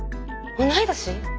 同い年？